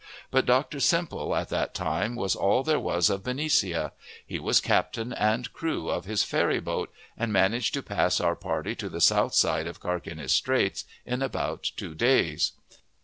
But Dr. Semple, at that time, was all there was of Benicia; he was captain and crew of his ferry boat, and managed to pass our party to the south side of Carquinez Straits in about two days.